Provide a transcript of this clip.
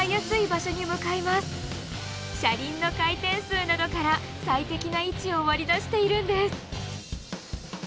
車輪の回転数などから最適な位置を割り出しているんです。